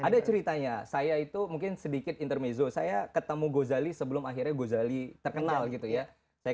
ada ceritanya saya itu mungkin sedikit intermezo saya ketemu gozali sebelum akhirnya gozali terkenal gitu ya